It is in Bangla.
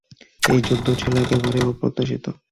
এই যুদ্ধ ছিল একেবারে অপ্রত্যাশিত।